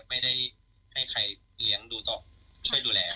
ไม่ได้ให้ใครเลี้ยงดูต่อช่วยดูแล